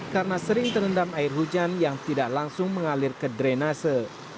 karena sering terendam air hujan yang tidak langsung mengalir ke drenase